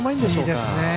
いいですね。